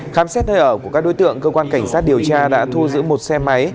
khám xét nơi ở của các đối tượng cơ quan cảnh sát điều tra đã thu giữ một xe máy